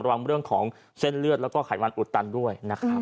ระวังเรื่องของเส้นเลือดแล้วก็ขายมันอุดตันด้วย